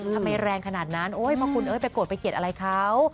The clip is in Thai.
แรงขนาดนั้นโอ๊ยเพราะคุณเอ้ยไปโกรธไปเกลียดอะไรเขา